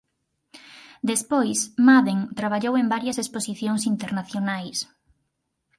Despois Madden traballou en varias exposicións internacionais.